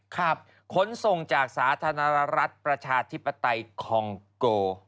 ขนส่งจากสาธารณรัฐประชาธิปไตยคองโก